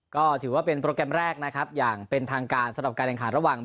ก็ถือว่าเป็นโปรแกรมแรกนะครับอย่างเป็นทางการสำหรับการแข่งขันระหว่าง